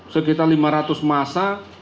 sekitar lima ratus masa